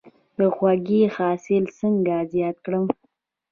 د هوږې حاصل څنګه زیات کړم؟